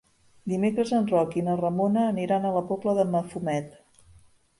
Dimecres en Roc i na Ramona aniran a la Pobla de Mafumet.